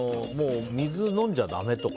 水飲んじゃだめとか。